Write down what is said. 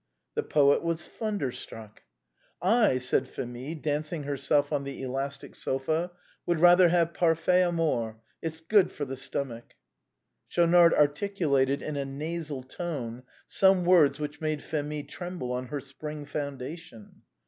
The poet was thunderstruck. " I," said Phémie, dancing herself on the elastic sofa, " would rather have parfait amour; it's good for the stomach." A BOHEMIAN CAFÉ. 129 Schaunard articulated, in a nasal tone, some words which made Phémie tremble on her spring foundation.